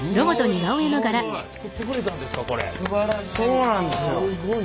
そうなんですよ。